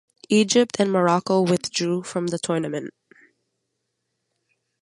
Egypt and Morocco withdrew from the tournament.